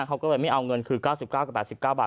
เขาก็เลยไม่เอาเงินคือ๙๙กับ๘๙บาท